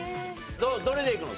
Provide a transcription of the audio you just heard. どれでいくの？